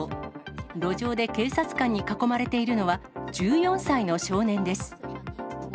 路上で警察官に囲まれているのは、１４歳の少年です。